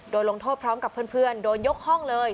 ลงโทษพร้อมกับเพื่อนโดนยกห้องเลย